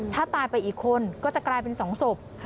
ถ้าตายไปอีกคนก็จะกลายเป็น๒ศพ